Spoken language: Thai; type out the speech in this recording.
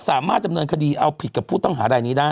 สามารถดำเนินคดีเอาผิดกับผู้ต้องหารายนี้ได้